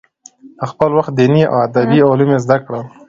د خپل وخت دیني او ادبي علوم یې زده کړل.